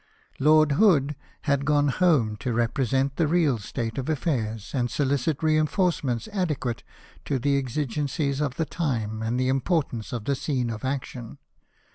Lord Hood had gone home to represent the real state of affairs, and solicit reinforcements adequate to the exigencies of the time and the importance of the scene of action.